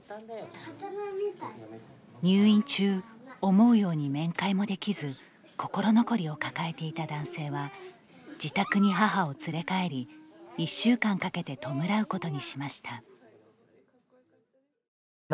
入院中、思うように面会もできず心残りを抱えていた男性は自宅に母を連れ帰り１週間かけて弔うことにしました。